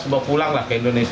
bawa pulanglah ke indonesia